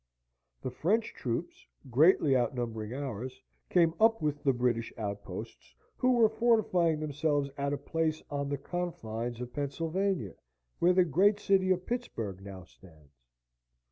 The French troops, greatly outnumbering ours, came up with the English outposts, who were fortifying themselves at a place on the confines of Pennsylvania where the great city of Pittsburg now stands.